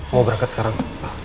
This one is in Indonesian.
mau berangkat sekarang